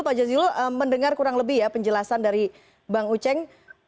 pak jazilul mendengar kurang lebih ya penjelasan dari bang uceng